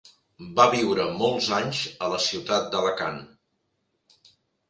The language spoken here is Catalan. Va viure molts anys a la ciutat d'Alacant.